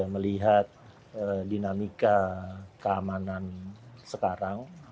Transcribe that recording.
melihat dinamika keamanan sekarang